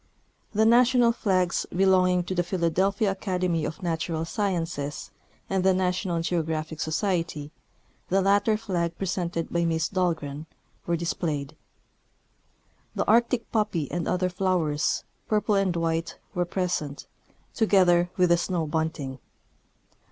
The national flags belonging to the Philadelphia Academ}^ of Natural Sciences and the National Geographic Societ}^ (the latter flag presented by Miss Dahlgren) were displayed. The arctic poppy and other flowers, purple and white, were present, to gether with the snowbunting.